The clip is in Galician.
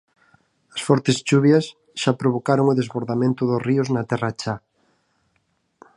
As fortes chuvias xa provocaron o desbordamento dos ríos na Terra Chá.